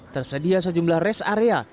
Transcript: tersedia sejumlah rest area